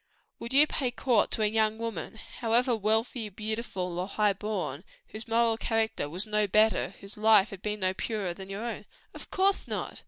Would you pay your addresses to a young woman however wealthy, beautiful or high born whose moral character was not better, whose life had been no purer than your own?" "Of course not!"